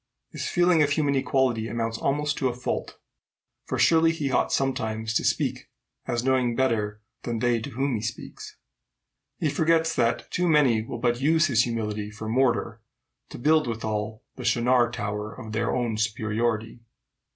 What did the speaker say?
His feeling of human equality amounts almost to a fault; for surely he ought sometimes to speak as knowing better than they to whom he speaks. He forgets that too many will but use his humility for mortar to build withal the Shinar tower of their own superiority."